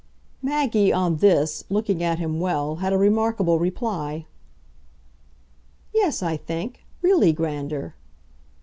Maggie, on this, looking at him well, had a remarkable reply. "Yes, I think. Really grander."